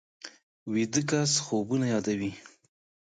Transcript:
ویده کس خوبونه یادوي